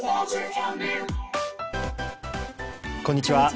こんにちは。